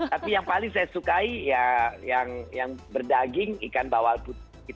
tapi yang paling saya sukai ya yang berdaging ikan bawal putih